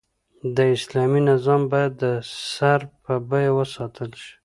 د اسلامي نظام بايد د سر په بيه وساتل شي